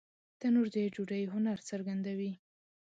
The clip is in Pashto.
تنور د ډوډۍ هنر څرګندوي